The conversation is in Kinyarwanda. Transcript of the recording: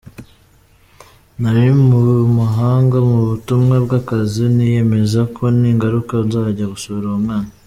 Nari mu mahanga mu butumwa bw’akazi, niyemeza ko ningaruka nzajya gusura uwo mwana.